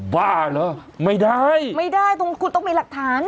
บ้าเหรอไม่ได้ไม่ได้ตรงคุณต้องมีหลักฐาน